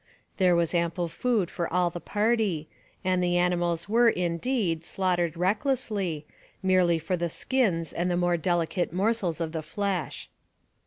There was ample food for all the party, and the animals were, indeed, slaughtered recklessly, merely for the skins and the more delicate morsels of the flesh.